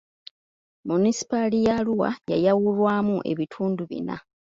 Munisipaali ya Arua yayawulwamu ebitundu bina.